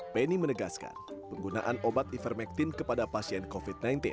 penny menegaskan penggunaan obat ivermectin kepada pasien covid sembilan belas